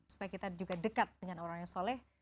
supaya kita juga dekat dengan orang yang soleh